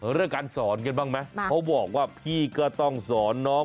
เรื่องการสอนกันบ้างไหมเขาบอกว่าพี่ก็ต้องสอนน้อง